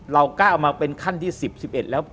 เราก้าวมาเป็นขั้นที่๑๐๑๑แล้ว